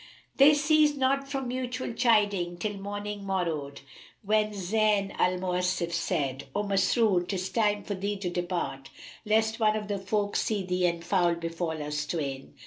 They ceased not from mutual chiding till morning morrowed, when Zayn al Mawasif said, "O Masrur 'tis time for thee to depart, lest one of the folk see thee and foul befal us twain."